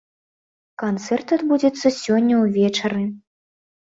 Канцэрт адбудзецца сёння ўвечары.